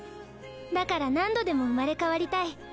だから何度でも生まれ変わりたい。